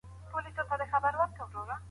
هغه كه نه غواړي